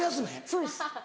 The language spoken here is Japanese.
そうです。